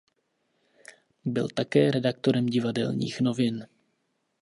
Byl také redaktorem "Divadelních novin".